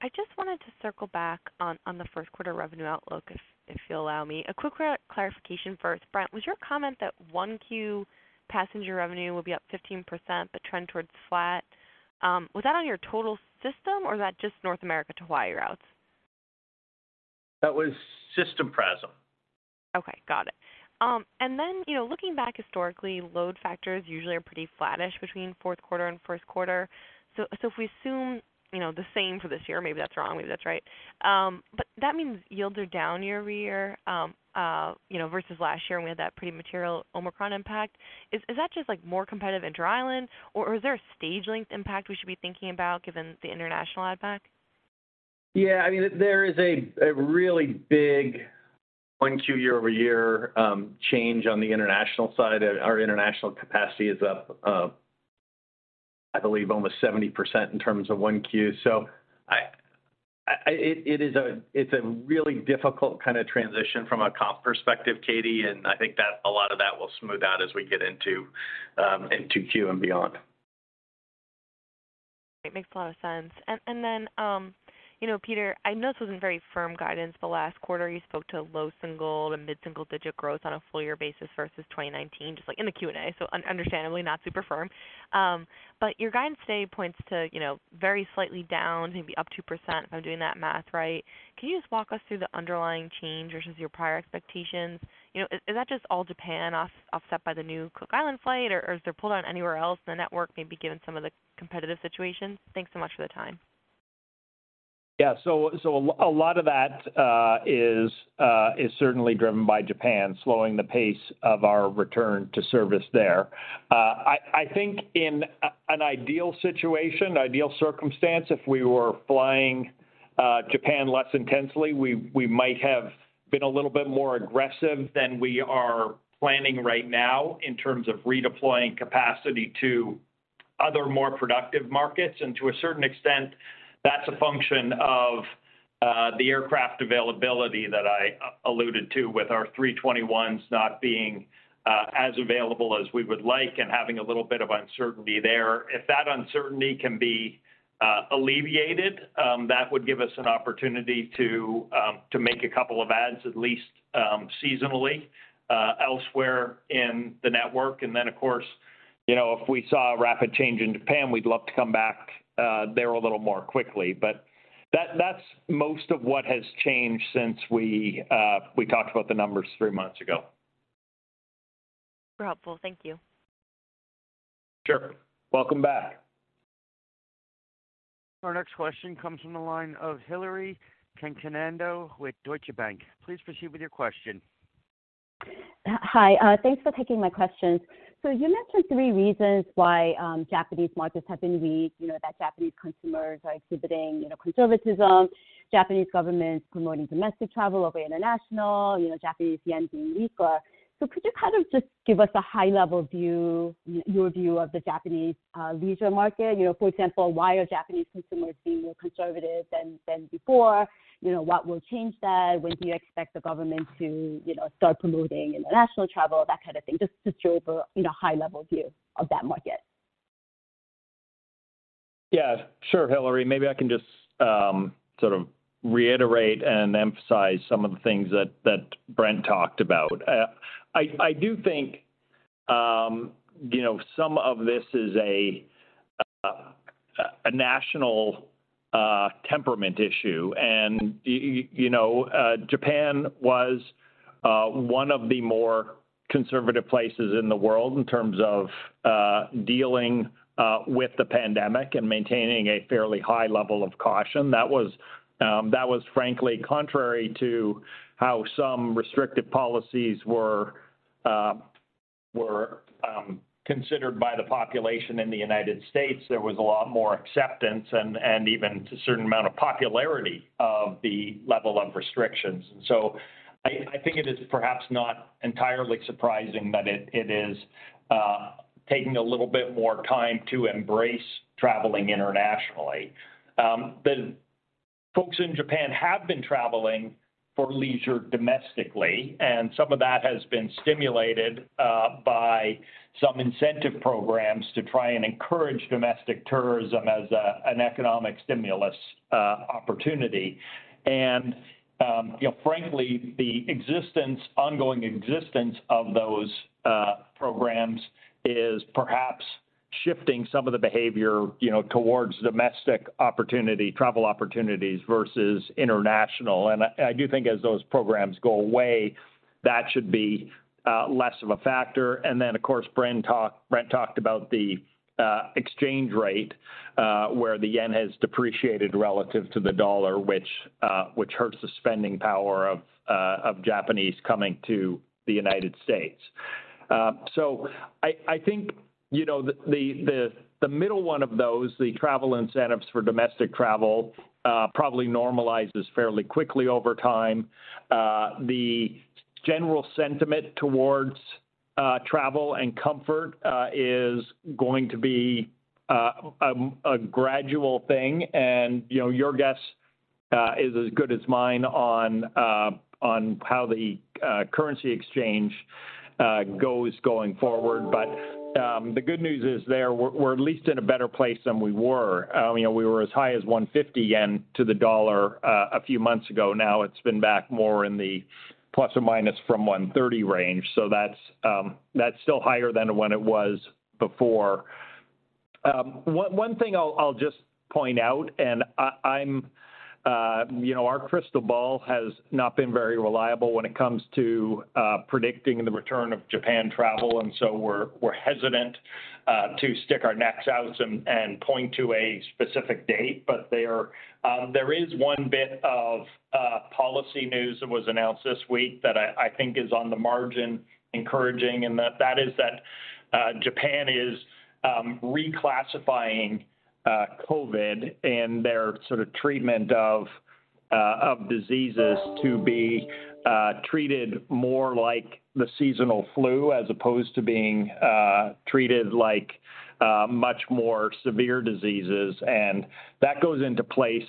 Speaker 8: I just wanted to circle back on Q1 revenue outlook, if you'll allow me. A quick clarification first. Brent, was your comment that 1Q passenger revenue will be up 15%, but trend towards flat, was that on your total system or is that just North America to Hawaii routes?
Speaker 3: That was system PRASM.
Speaker 8: Okay. Got it. Then, you know, looking back historically, load factors usually are pretty flattish between Q4 and Q1. If we assume, you know, the same for this year, maybe that's wrong, maybe that's right. That means yields are down year-over-year, you know, versus last year when we had that pretty material Omicron impact. Is that just, like, more competitive inter-island, or is there a stage length impact we should be thinking about given the international add back?
Speaker 3: I mean, there is a really big 1Q year-over-year change on the international side. Our international capacity is up, I believe almost 70% in terms of 1Q. It's a really difficult kind of transition from a comp perspective, Katie, and I think that a lot of that will smooth out as we get into Q and beyond.
Speaker 8: It makes a lot of sense. You know, Peter, I know this wasn't very firm guidance, but last quarter, you spoke to low single to mid-single-digit growth on a full year basis versus 2019, just like in the Q&A, so understandably not super firm. Your guidance today points to, you know, very slightly down, maybe up 2%, if I'm doing that math right. Can you just walk us through the underlying change versus your prior expectations? You know, is that just all Japan offset by the new Cook Islands flight or is there pull down anywhere else in the network, maybe given some of the competitive situations? Thanks so much for the time.
Speaker 3: Yeah. A lot of that is certainly driven by Japan slowing the pace of our return to service there. I think in an ideal situation, ideal circumstance, if we were flying Japan less intensely, we might have been a little bit more aggressive than we are planning right now in terms of redeploying capacity to other more productive markets. To a certain extent, that's a function of the aircraft availability that I alluded to with our A321s not being as available as we would like and having a little bit of uncertainty there. If that uncertainty can be alleviated, that would give us an opportunity to make a couple of adds at least seasonally elsewhere in the network. Of course, you know, if we saw a rapid change in Japan, we'd love to come back there a little more quickly. That's most of what has changed since we talked about the numbers three months ago.
Speaker 8: Super helpful. Thank you.
Speaker 3: Sure. Welcome back.
Speaker 1: Our next question comes from the line of Hillary Cacanando with Deutsche Bank. Please proceed with your question.
Speaker 9: Hi. Thanks for taking my questions. You mentioned three reasons why Japanese markets have been weak, you know, that Japanese consumers are exhibiting, you know, conservatism, Japanese government promoting domestic travel over international, you know, Japanese yen being weaker. Could you kind of just give us a high-level view, your view of the Japanese leisure market? You know, for example, why are Japanese consumers being more conservative than before? You know, what will change that? When do you expect the government to, you know, start promoting international travel, that kind of thing? Just to show the, you know, high level view of that market.
Speaker 3: Yeah. Sure, Hilary. Maybe I can just sort of reiterate and emphasize some of the things that Brent talked about. I do think, you know, some of this is a national temperament issue. You know, Japan was one of the more conservative places in the world in terms of dealing with the pandemic and maintaining a fairly high level of caution. That was frankly contrary to how some restrictive policies were considered by the population in the United States. There was a lot more acceptance and even to a certain amount of popularity of the level of restrictions. I think it is perhaps not entirely surprising that it is taking a little bit more time to embrace traveling internationally. The folks in Japan have been traveling for leisure domestically, and some of that has been stimulated by some incentive programs to try and encourage domestic tourism as an economic stimulus opportunity. You know, frankly, the ongoing existence of those programs is perhaps shifting some of the behavior, you know, towards domestic opportunity, travel opportunities versus international. I do think as those programs go away, that should be less of a factor. Of course, Brent talked about the exchange rate, where the yen has depreciated relative to the dollar, which hurts the spending power of Japanese coming to the United States. I think, you know, the, the middle one of those, the travel incentives for domestic travel, probably normalizes fairly quickly over time. The general sentiment towards travel and comfort is going to be a gradual thing. You know, your guess is as good as mine on how the currency exchange goes going forward. The good news is there, we're at least in a better place than we were. You know, we were as high as 150 yen to the dollar a few months ago. Now it's been back more in the ±130 range. That's still higher than when it was before. One thing I'll just point out, and I'm... You know, our crystal ball has not been very reliable when it comes to predicting the return of Japan travel. We're hesitant to stick our necks out and point to a specific date. There is one bit of policy news that was announced this week that I think is on the margin encouraging, that is that Japan is reclassifying COVID in their sort of treatment of diseases to be treated more like the seasonal flu as opposed to being treated like much more severe diseases. That goes into place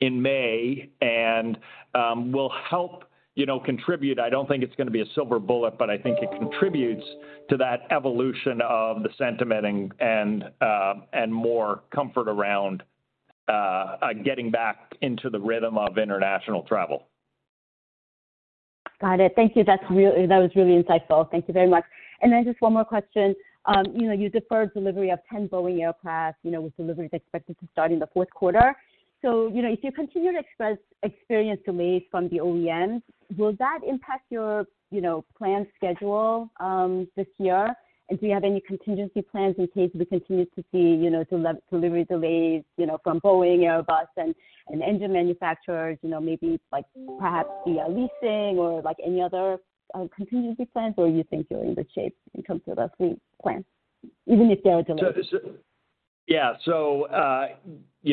Speaker 3: in May and will help, you know, contribute. I don't think it's gonna be a silver bullet, but I think it contributes to that evolution of the sentiment and more comfort around getting back into the rhythm of international travel.
Speaker 9: Got it. Thank you. That was really insightful. Thank you very much. Just one more question. You know, you deferred delivery of 10 Boeing aircraft, you know, with deliveries expected to start in Q4. If you continue to experience delays from the OEMs, will that impact your, you know, planned schedule this year? Do you have any contingency plans in case we continue to see, you know, delivery delays, you know, from Boeing, Airbus and engine manufacturers, you know, maybe like perhaps via leasing or like any other contingency plans, or you think you're in good shape when it comes to the fleet plan, even if there are delays?
Speaker 3: Yeah.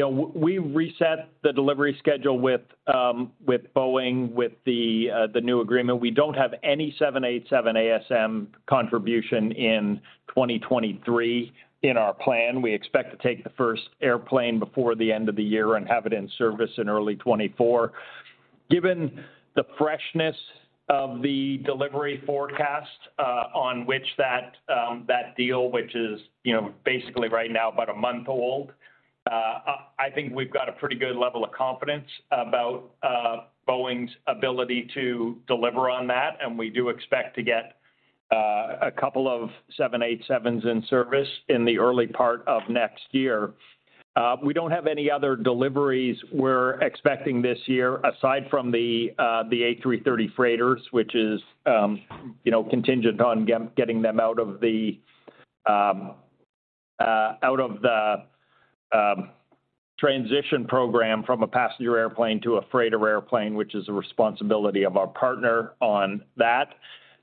Speaker 3: We reset the delivery schedule with Boeing with the new agreement. We don't have any 787 ASM contribution in 2023 in our plan. We expect to take the first airplane before the end of the year and have it in service in early 2024. Given the freshness of the delivery forecast on which that deal, which is basically right now about a month old, I think we've got a pretty good level of confidence about Boeing's ability to deliver on that, and we do expect to get a couple of 787s in service in the early part of next year. We don't have any other deliveries we're expecting this year aside from the A330 freighters, which is, you know, contingent on getting them out of the transition program from a passenger airplane to a freighter airplane, which is the responsibility of our partner on that.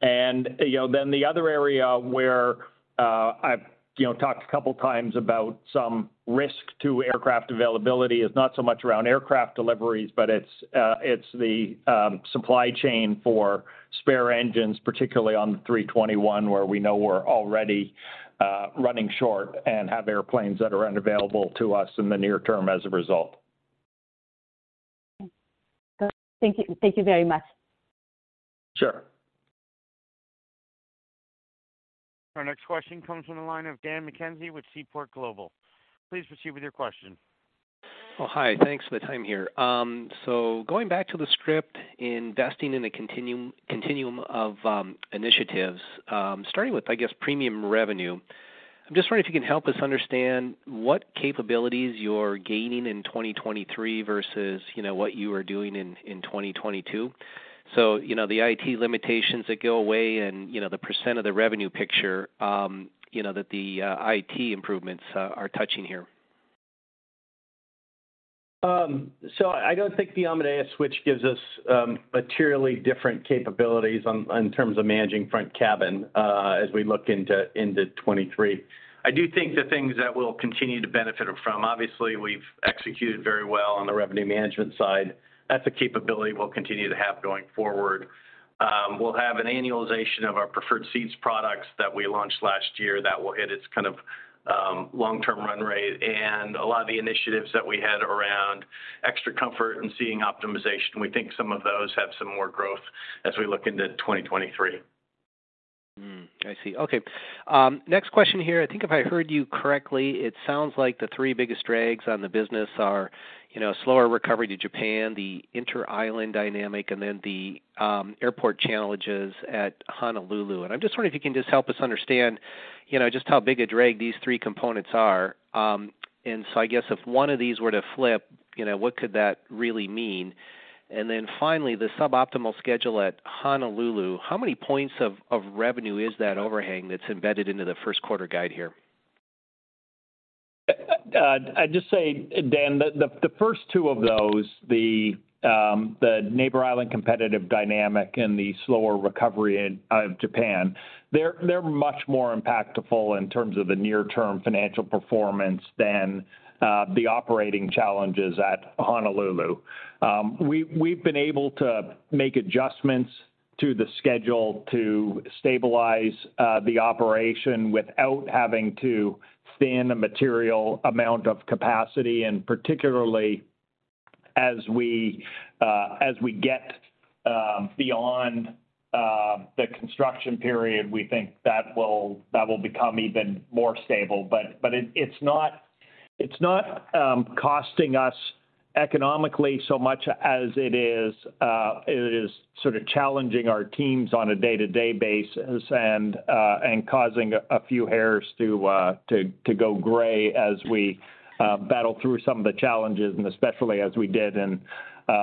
Speaker 3: You know, then the other area where I've, you know, talked a couple times about some risk to aircraft availability is not so much around aircraft deliveries, but it's the supply chain for spare engines, particularly on the A321 where we know we're already running short and have airplanes that are unavailable to us in the near term as a result.
Speaker 9: Thank you. Thank you very much.
Speaker 3: Sure.
Speaker 1: Our next question comes from the line of Dan McKenzie with Seaport Global. Please proceed with your question.
Speaker 10: Oh, hi. Thanks for the time here. Going back to the script, investing in a continuum of initiatives, starting with, I guess, premium revenue, I'm just wondering if you can help us understand what capabilities you're gaining in 2023 versus, you know, what you were doing in 2022, you know, the IT limitations that go away and, you know, the % of the revenue picture, you know, that the IT improvements are touching here?
Speaker 3: I don't think the Amadeus switch gives us materially different capabilities on terms of managing front cabin as we look into 2023. I do think the things that we'll continue to benefit from, obviously we've executed very well on the revenue management side. That's a capability we'll continue to have going forward. We'll have an annualization of our Preferred Seat products that we launched last year that will hit its kind of long-term run rate. A lot of the initiatives that we had around Extra Comfort and seeing optimization, we think some of those have some more growth as we look into 2023.
Speaker 10: I see. Okay. Next question here. I think if I heard you correctly, it sounds like the three biggest drags on the business are, you know, slower recovery to Japan, the inter-island dynamic, and then the airport challenges at Honolulu. I'm just wondering if you can just help us understand, you know, just how big a drag these three components are. I guess if one of these were to flip, you know, what could that really mean? Finally, the suboptimal schedule at Honolulu, how many points of revenue is that overhang that's embedded into the first quarter guide here?
Speaker 3: I'd just say, Dan, the first two of those, the neighbor island competitive dynamic and the slower recovery in Japan, they're much more impactful in terms of the near-term financial performance than the operating challenges at Honolulu. We've been able to make adjustments to the schedule to stabilize the operation without having to stand a material amount of capacity. Particularly as we get beyond the construction period, we think that will become even more stable. It's not costing us economically so much as it is sort of challenging our teams on a day-to-day basis and causing a few hairs to go gray as we battle through some of the challenges and especially as we did in, you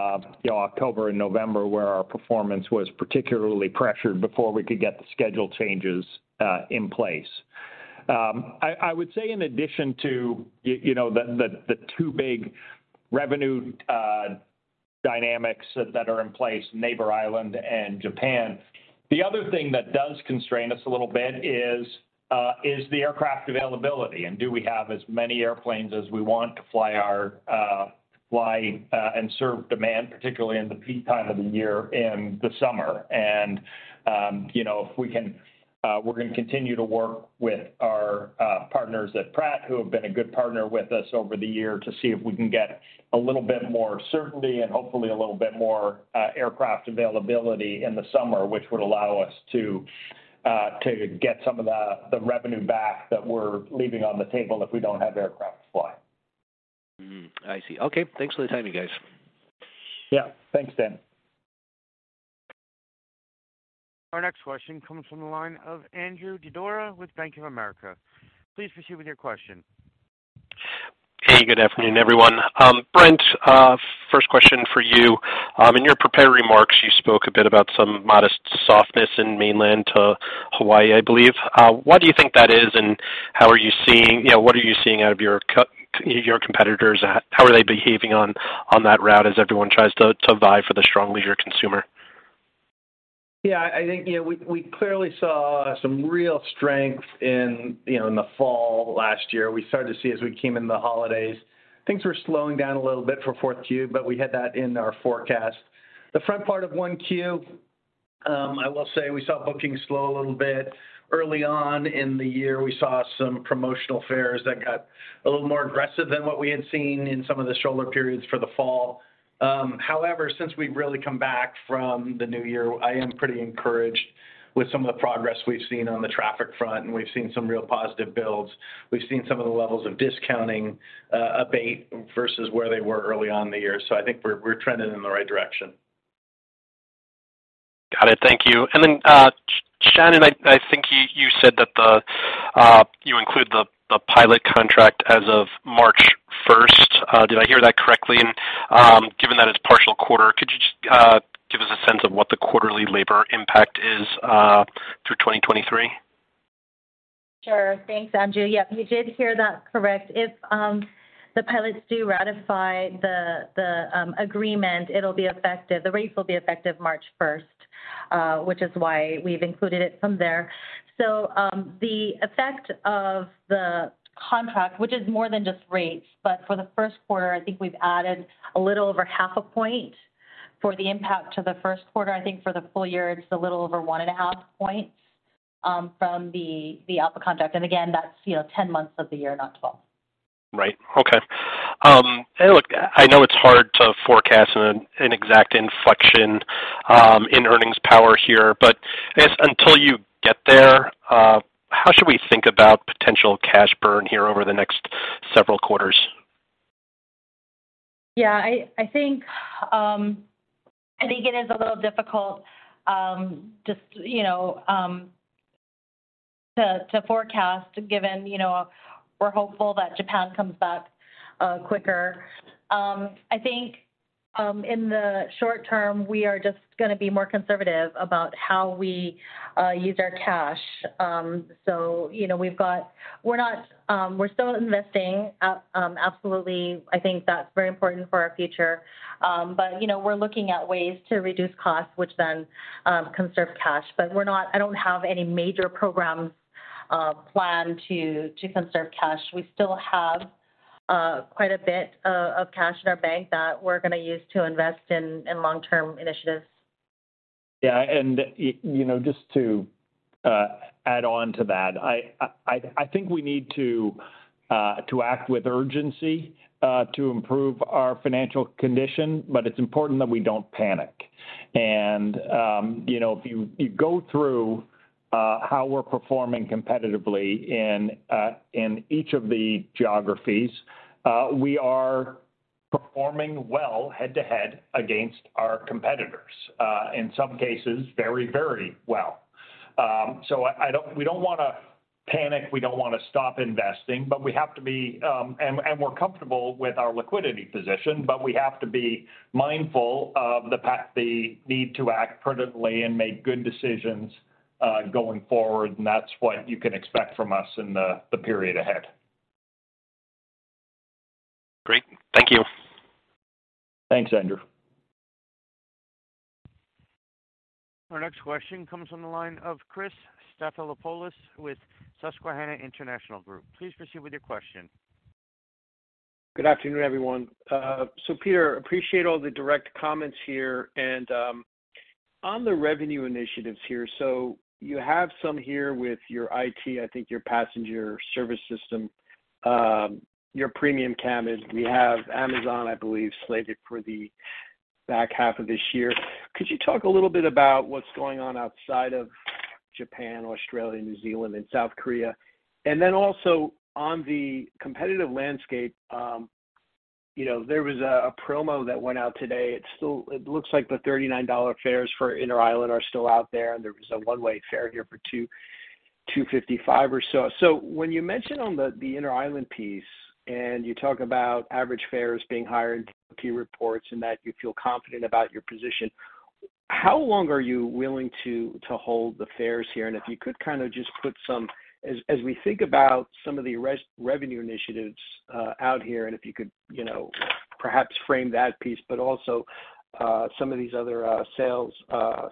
Speaker 3: know, October and November, where our performance was particularly pressured before we could get the schedule changes in place. I would say in addition to, you know, the two big revenue dynamics that are in place, Neighbor Island and Japan, the other thing that does constrain us a little bit is the aircraft availability and do we have as many airplanes as we want to fly our, fly and serve demand, particularly in the peak time of the year, in the summer. You know, we're gonna continue to work with our partners at Pratt, who have been a good partner with us over the year to see if we can get a little bit more certainty and hopefully a little bit more aircraft availability in the summer, which would allow us to get some of the revenue back that we're leaving on the table if we don't have aircraft to fly.
Speaker 10: Mm-hmm. I see. Okay. Thanks for the time, you guys.
Speaker 3: Yeah. Thanks, Dan.
Speaker 1: Our next question comes from the line of Andrew Didora with Bank of America. Please proceed with your question.
Speaker 11: Hey, good afternoon, everyone. Brent, first question for you. In your prepared remarks, you spoke a bit about some modest softness in mainland to Hawaii, I believe. Why do you think that is, and how are you seeing, you know, what are you seeing out of your competitors at? How are they behaving on that route as everyone tries to vie for the strong leisure consumer?
Speaker 4: I think, you know, we clearly saw some real strength in, you know, in the fall last year. We started to see as we came in the holidays, things were slowing down a little bit for 4Q. We had that in our forecast. The front part of 1Q, I will say we saw booking slow a little bit. Early on in the year, we saw some promotional fares that got a little more aggressive than what we had seen in some of the shoulder periods for the fall. Since we've really come back from the new year, I am pretty encouraged with some of the progress we've seen on the traffic front, and we've seen some real positive builds. We've seen some of the levels of discounting abate versus where they were early on in the year. I think we're trending in the right direction.
Speaker 11: Got it. Thank you. Shannon, I think you said that you include the pilot contract as of March first. Did I hear that correctly? Given that it's partial quarter, could you just give us a sense of what the quarterly labor impact is through 2023?
Speaker 5: Sure. Thanks, Andrew. You did hear that correct. If the pilots do ratify the agreement, the rates will be effective March 1st, which is why we've included it from there. The effect of the contract, which is more than just rates, for the first quarter, I think we've added a little over half a point for the impact to Q1. I think for the full year, it's a little over one and a half points from the ALPA contract. Again, that's, you know, 10 months of the year, not 12.
Speaker 11: Right. Okay. Look, I know it's hard to forecast an exact inflection in earnings power here, but until you get there, how should we think about potential cash burn here over the next several quarters?
Speaker 5: Yeah, I think it is a little difficult, just, you know, to forecast given, you know, we're hopeful that Japan comes back quicker. I think in the short term, we are just gonna be more conservative about how we use our cash. You know, we're not, we're still investing. Absolutely. I think that's very important for our future. You know, we're looking at ways to reduce costs, which then conserve cash. I don't have any major programs planned to conserve cash. We still have quite a bit of cash in our bank that we're gonna use to invest in long-term initiatives.
Speaker 3: Yeah. You know, just to add on to that, I think we need to act with urgency to improve our financial condition, but it's important that we don't panic. You know, if you go through how we're performing competitively in each of the geographies, we are performing well head to head against our competitors, in some cases very, very well. We don't wanna panic, we don't wanna stop investing, but we have to be-- and we're comfortable with our liquidity position, but we have to be mindful of the need to act prudently and make good decisions going forward, and that's what you can expect from us in the period ahead.
Speaker 11: Great. Thank you.
Speaker 3: Thanks, Andrew.
Speaker 1: Our next question comes from the line of Chris Stathoulopoulos with Susquehanna International Group, LLP. Please proceed with your question.
Speaker 12: Good afternoon, everyone. Peter, appreciate all the direct comments here. On the revenue initiatives here, you have some here with your IT, I think your passenger service system, your premium cabin. We have Amazon, I believe, slated for the back half of this year. Could you talk a little bit about what's going on outside of Japan, Australia, New Zealand, and South Korea? Also on the competitive landscape, you know, there was a promo that went out today. It looks like the $39 fares for Interisland are still out there was a one-way fare here for $255 or so. When you mention on the Interisland piece and you talk about average fares being higher in Q reports and that you feel confident about your position, how long are you willing to hold the fares here? If you could kind of just put some as we think about some of the revenue initiatives out here, and if you could, you know, perhaps frame that piece, but also some of these other sales,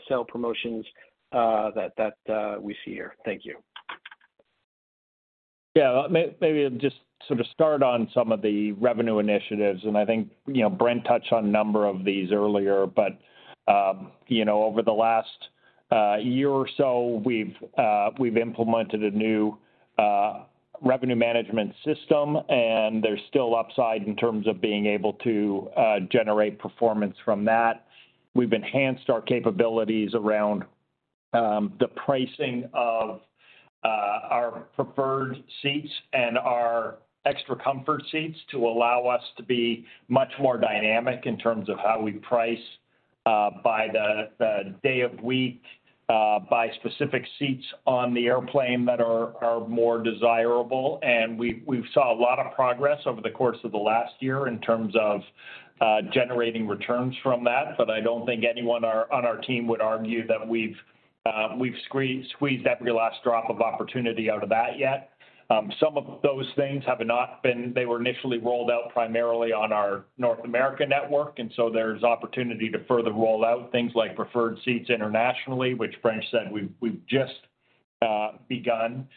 Speaker 12: sale promotions that we see here. Thank you.
Speaker 3: Yeah. Maybe I'll just sort of start on some of the revenue initiatives, and I think, you know, Brent touched on a number of these earlier. You know, over the last year or so, we've implemented a new revenue management system, and there's still upside in terms of being able to generate performance from that. We've enhanced our capabilities around the pricing of our Preferred Seat and our Extra Comfort seats to allow us to be much more dynamic in terms of how we price by the day of week, by specific seats on the airplane that are more desirable. We've saw a lot of progress over the course of the last year in terms of generating returns from that. I don't think anyone on our team would argue that we've squeezed every last drop of opportunity out of that yet. Some of those things have not been. They were initially rolled out primarily on our North America network, there's opportunity to further roll out things like Preferred Seats internationally, which Brent said we've just begun.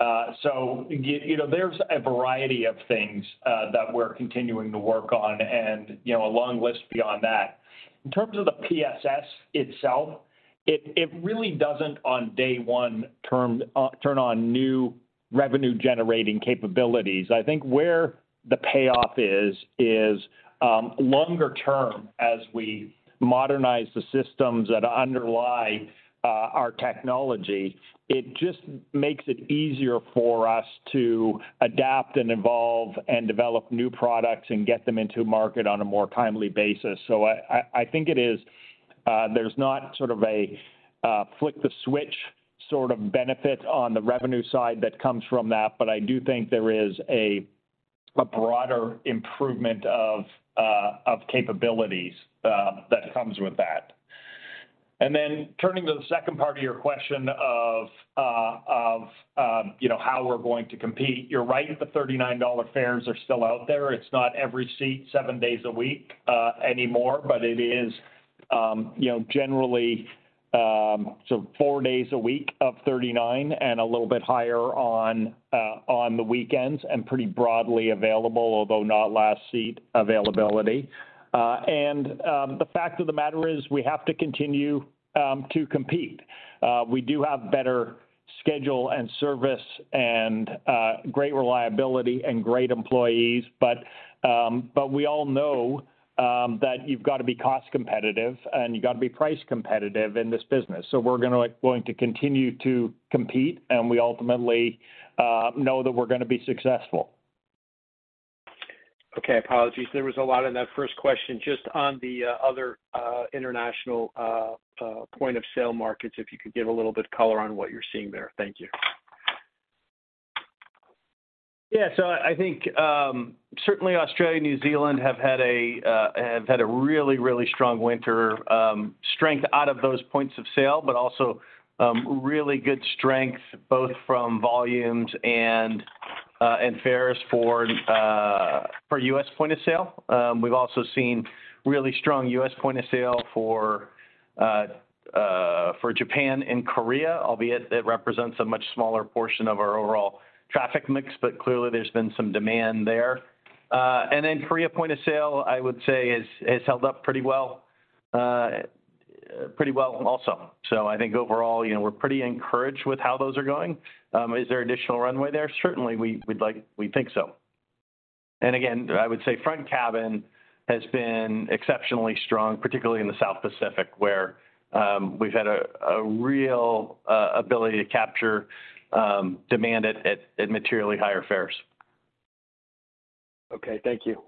Speaker 3: You know, there's a variety of things that we're continuing to work on and, you know, a long list beyond that. In terms of the PSS itself, it really doesn't on day one turn on new revenue-generating capabilities. I think where the payoff is longer term as we modernize the systems that underlie our technology. It just makes it easier for us to adapt and evolve and develop new products and get them into market on a more timely basis. I think it is, there's not sort of a flick the switch sort of benefit on the revenue side that comes from that, but I do think there is a broader improvement of capabilities that comes with that. Turning to the second part of your question of, you know, how we're going to compete. You're right, the $39 fares are still out there. It's not every seat seven days a week anymore, but it is, you know, generally, so four days a week of $39 and a little bit higher on the weekends and pretty broadly available, although not last seat availability. The fact of the matter is we have to continue to compete. We do have better schedule and service and great reliability and great employees. We all know that you've got to be cost competitive and you've got to be price competitive in this business. We're going to continue to compete and we ultimately know that we're gonna be successful.
Speaker 12: Apologies. There was a lot in that first question. Just on the other international point of sale markets, if you could give a little bit color on what you're seeing there? Thank you.
Speaker 3: I think, certainly Australia, New Zealand have had a really strong winter, strength out of those points of sale, also really good strength both from volumes and fares for U.S. point of sale. We've also seen really strong U.S. point of sale for Japan and Korea, albeit it represents a much smaller portion of our overall traffic mix. Clearly, there's been some demand there. Korea point of sale, I would say, has held up pretty well also. I think overall, you know, we're pretty encouraged with how those are going. Is there additional runway there? Certainly, we think so. Again, I would say front cabin has been exceptionally strong, particularly in the South Pacific, where we've had a real ability to capture demand at materially higher fares.
Speaker 12: Okay, thank you.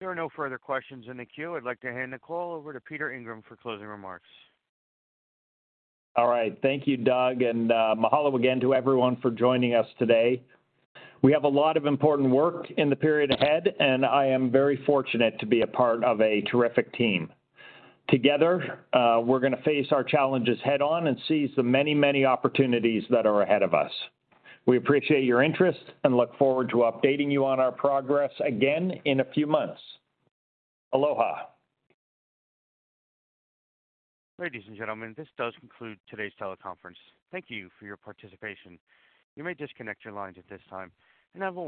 Speaker 1: There are no further questions in the queue. I'd like to hand the call over to Peter Ingram for closing remarks.
Speaker 3: All right. Thank you, Doug, and mahalo again to everyone for joining us today. We have a lot of important work in the period ahead, and I am very fortunate to be a part of a terrific team. Together, we're gonna face our challenges head on and seize the many, many opportunities that are ahead of us. We appreciate your interest and look forward to updating you on our progress again in a few months. Aloha.
Speaker 1: Ladies and gentlemen, this does conclude today's teleconference. Thank you for your participation. You may disconnect your lines at this time and have a wonderful-